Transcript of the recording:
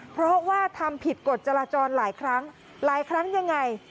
เพราะว่าทำผิดกฎจราจรหลายครั้งหลายครั้งยังไง